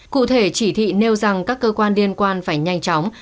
cụ thể chỉ thị nêu rằng các cơ quan liên quan phải nhanh chóng